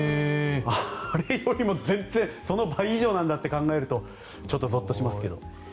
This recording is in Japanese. あれよりも全然その倍以上なんだと考えるとちょっとぞっとしますけど。